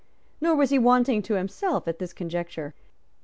Nor was he wanting to himself at this conjuncture.